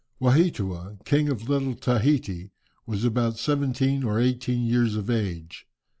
Waheatua, king of Little Tahiti, was about seventeen or eighteen years of age.